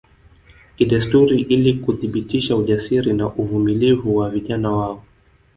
Kidesturi ili kuthibitisha ujasiri na uvumilivu wa vijana wao